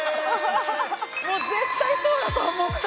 もう絶対そうだと思った！